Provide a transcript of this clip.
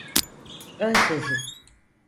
Önsezi.